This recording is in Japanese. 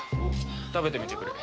食べてみてくれ。